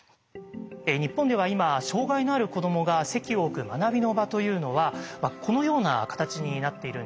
日本では今障害のある子どもが籍を置く学びの場というのはこのような形になっているんです。